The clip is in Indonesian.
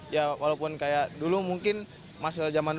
ya walaupun kayak dulu mungkin masih zaman dulu